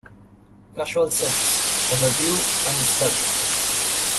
Causal Sets:Overview and status